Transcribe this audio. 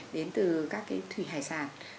đến từ các cái thủy hải sản